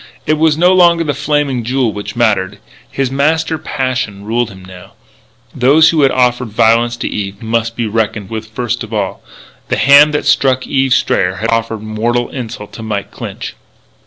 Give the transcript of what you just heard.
It was no longer the Flaming Jewel which mattered. His master passion ruled him now. Those who had offered violence to Eve must be reckoned with first of all. The hand that struck Eve Strayer had offered mortal insult to Mike Clinch.